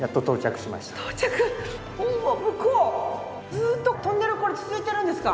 ずーっとトンネルこれ続いてるんですか？